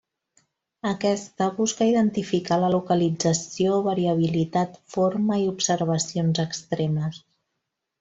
Aquesta busca identificar la localització, variabilitat, forma i observacions extremes.